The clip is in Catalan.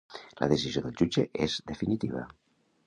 La decisió del jutge és definitiva.